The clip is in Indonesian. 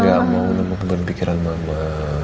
gak mau mau pembentuk pikiran mama